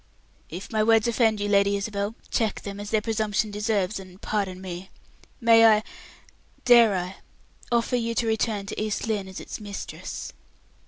"If my words offend you, Lady Isabel, check them, as their presumption deserves, and pardon me. May I dare I offer you to return to East Lynne as its mistress?"